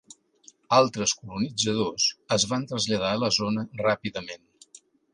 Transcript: Altres colonitzadors es van traslladar a la zona ràpidament.